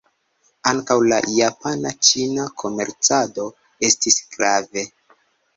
Ankaŭ la japana-ĉina komercado estis grave.